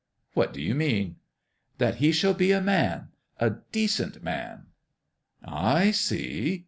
" What do you mean ?"" That he shall be a man a decent Man." " I see."